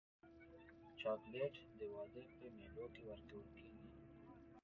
چاکلېټ د واده په مېلو کې ورکول کېږي.